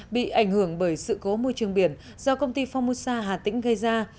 bị ảnh hưởng bởi sự cố môi trường biển do công ty phongmosa hà tĩnh gây ra